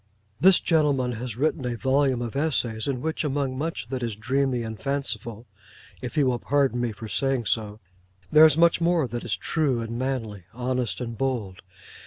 This gentleman has written a volume of Essays, in which, among much that is dreamy and fanciful (if he will pardon me for saying so), there is much more that is true and manly, honest and bold.